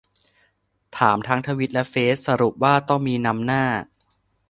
ถามทั้งทวิตและเฟซ สรุปว่า ต้องมี นำหน้า